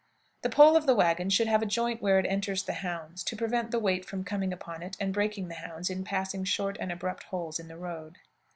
The pole of the wagon should have a joint where it enters the hounds, to prevent the weight from coming upon it and breaking the hounds in passing short and abrupt holes in the road.